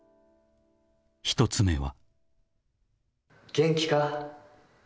［１つ目は］